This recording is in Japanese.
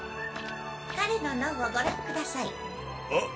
彼の脳をご覧ください。あっ！